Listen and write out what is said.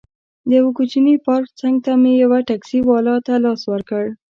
د یوه کوچني پارک څنګ ته مې یو ټکسي والا ته لاس ورکړ.